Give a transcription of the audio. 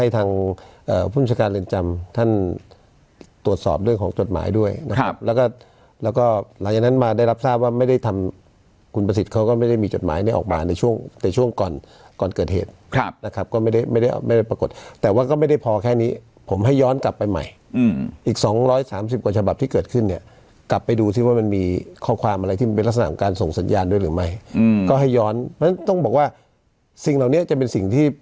ตรวจสอบเรื่องของจดหมายด้วยนะครับแล้วก็หลังจากนั้นมาได้รับทราบว่าไม่ได้ทำคุณประสิทธิ์เขาก็ไม่ได้มีจดหมายในออกมาในช่วงแต่ช่วงก่อนเกิดเหตุนะครับก็ไม่ได้ปรากฏแต่ว่าก็ไม่ได้พอแค่นี้ผมให้ย้อนกลับไปใหม่อีก๒๓๐กว่าฉบับที่เกิดขึ้นเนี่ยกลับไปดูซิว่ามันมีข้อความอะไรที่มันเป็นลักษณะของการส